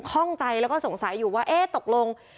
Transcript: ข้องใจแล้วก็สงสัยอยู่ว่าเอ๊ะตกลง